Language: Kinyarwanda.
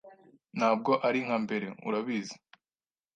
Ntabwo ari nka mbere, urabizi